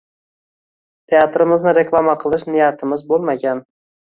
Teatrimizni reklama qilish niyatimiz bo‘lmagan.